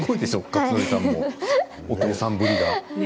克典さんのお父さんぶりが。